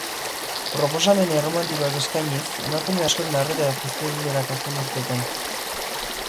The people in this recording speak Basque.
Proposamen erromantikoak eskainiz, emakume askoren arreta piztu du berak azken urteetan.